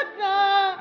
aku gak mau